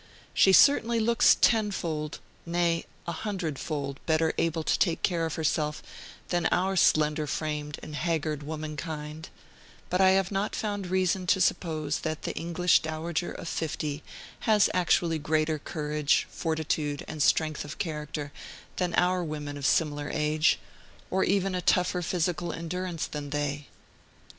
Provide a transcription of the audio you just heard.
She certainly looks tenfold nay, a hundred fold better able to take care of herself than our slender framed and haggard womankind; but I have not found reason to suppose that the English dowager of fifty has actually greater courage, fortitude, and strength of character than our women of similar age, or even a tougher physical endurance than they.